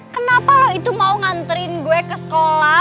kenapa loh itu mau nganterin gue ke sekolah